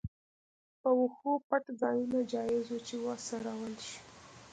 په وښو پټ ځایونه جایز وو چې وڅرول شي.